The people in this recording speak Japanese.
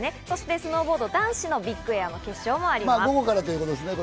そして、スノーボード男子のビッグエアも決勝があります。